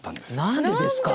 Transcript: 何でですか？